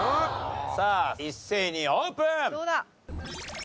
さあ一斉にオープン！